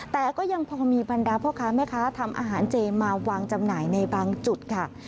แต่ก็ยังพอมีบรรดาพ่อค้าแม่ค้าทำอาหารเจมาวางจำหน่ายในบางจุดค่ะ